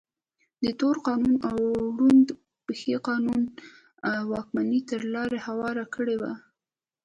د تور قانون اړوند پېښې قانون واکمنۍ ته لار هواره کړې وه.